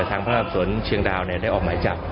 ทางพงศภรรยาศวรรณส์ทรวณเชียงดาวได้ออกไหมจับ